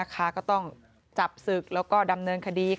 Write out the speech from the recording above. ก็ต้องจับศึกแล้วก็ดำเนินคดี